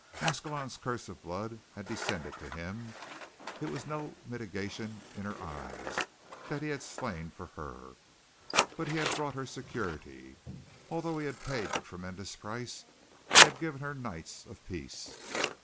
Ascalon's curse of blood had descended to him; it was no mitigation in her eyes that he had slain for her. But he had brought her security. Although he had paid the tremendous price, he had given her nights of peace.